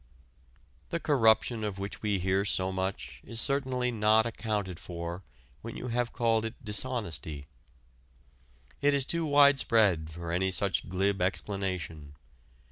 The corruption of which we hear so much is certainly not accounted for when you have called it dishonesty. It is too widespread for any such glib explanation.